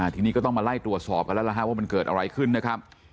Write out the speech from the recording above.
ทีนี้ก็ต้องมาไล่ตรวจสอบกันแล้วว่ามันเกิดอะไรขึ้นนะครับ